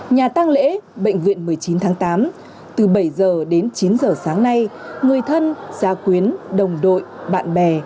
nhà tăng lễ bệnh viện một mươi chín tháng tám từ bảy giờ đến chín giờ sáng nay người thân gia quyến đồng đội bạn bè